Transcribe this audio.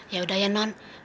yaudah ya non